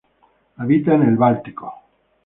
Habita en Báltico.